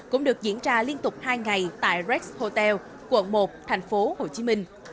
cũng được diễn ra liên tục hai ngày tại rex hotel quận một thành phố hồ chí minh